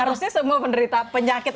harusnya semua penyakit